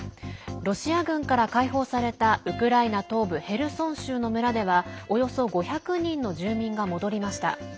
ロシア軍から解放されたウクライナ東部ヘルソン州の村ではおよそ５００人の住民が戻りました。